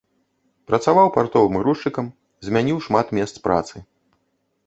Працаваў партовым грузчыкам, змяніў шмат месц працы.